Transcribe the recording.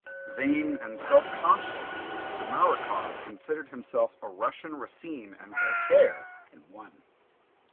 Vain and self-conscious, Sumarokov considered himself a Russian Racine and Voltaire in one.